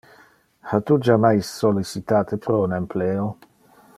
Ha tu jammais sollicitate pro un empleo?